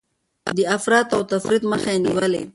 د افراط او تفريط مخه يې نيولې.